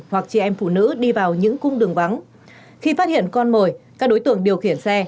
hoặc chị em phụ nữ đi vào những cung đường vắng khi phát hiện con mồi các đối tượng điều khiển xe